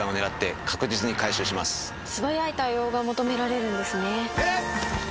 素早い対応が求められるんですね。